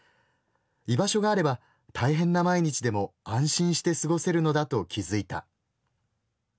居場所があれば大変な毎日でも安心して過ごせるのだと気づいた」。